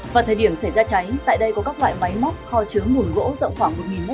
vào thời điểm xảy ra cháy tại đây có các loại máy móc kho chứa mùn gỗ rộng khoảng một m hai